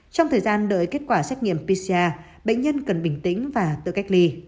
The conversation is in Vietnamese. trong thời gian đợi kết quả xét nghiệm pcr bệnh nhân cần bình tĩnh và tự cách ly